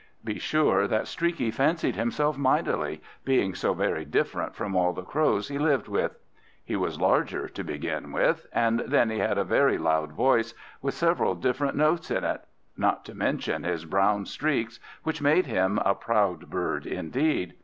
Be sure that Streaky fancied himself mightily, being so very different from all the Crows he lived with; he was larger, to begin with, and then he had a very loud voice, with several different notes in it; not to mention his brown streaks, which made him a proud bird indeed.